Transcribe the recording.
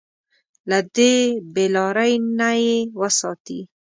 له دې بې لارۍ نه يې وساتي.